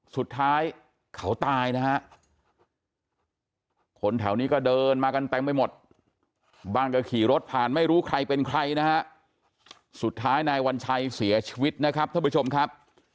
สุดท้ายเขาตายนะฮะคนแถวนี้ก็เดินมากันเต็มไปหมดบ้างก็ขี่รถผ่านไม่รู้ใครเป็นใครนะฮะสุดท้ายนายวัญชัยเสียชีวิตนะครับท่านผู้ชมครับ